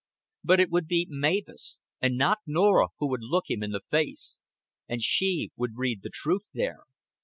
But it would be Mavis, and not Norah, who would look him in the face and she would read the truth there.